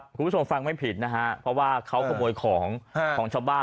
คุณผู้ชมฟังไม่ผิดนะฮะเพราะว่าเขาขโมยของของชาวบ้าน